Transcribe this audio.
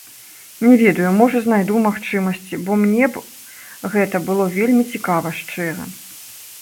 Не ведаю, можа, знайду магчымасці, бо мне б гэта было вельмі цікава, шчыра.